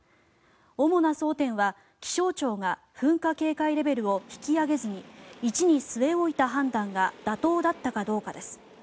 主な争点は、気象庁が噴火警戒レベルを引き上げずに１に据え置いた判断が妥当だったかどうかです。